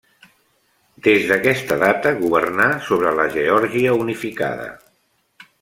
Des d'aquesta data governà sobre la Geòrgia unificada.